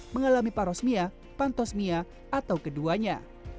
mengalami parosmia pantosmia atau keduanya